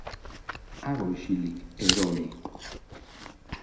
Hago isilik, ero hori!